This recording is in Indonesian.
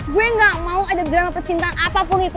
gue gak mau ada drama percintaan apapun itu